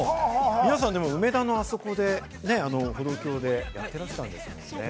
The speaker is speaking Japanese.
皆さん、でも梅田のあそこでね、歩道橋でやってらしたんですもんね？